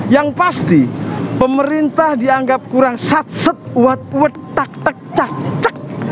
yang pasti pemerintah dianggap kurang satset uat uet tak tak cak cak